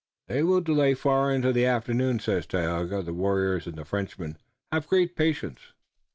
"They will delay far into the afternoon," said Tayoga. "The warriors and the Frenchmen have great patience.